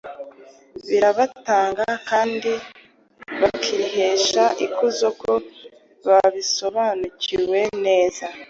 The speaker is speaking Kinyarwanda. birataga kandi bakihesha ikuzo ko babisobanukiwe neza.